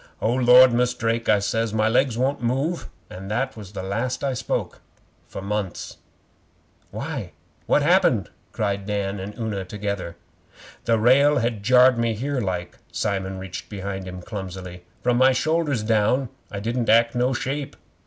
'"O Lord, Mus' Drake," I says, "my legs won't move," and that was the last I spoke for months.' 'Why? What had happened?' cried Dan and Una together. 'The rail had jarred me in here like.' Simon reached behind him clumsily. 'From my shoulders down I didn't act no shape.